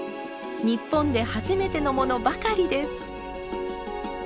日本で初めてのものばかりです。